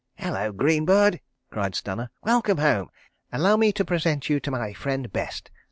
"Hullo, Greene bird!" cried Stanner. "Welcome home. Allow me to present you to my friend Best.